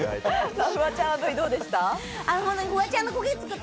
フワちゃん、どうでした？